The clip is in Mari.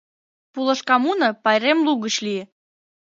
Пулашкамуно пайрем лугыч лие.